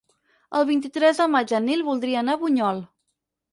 El vint-i-tres de maig en Nil voldria anar a Bunyol.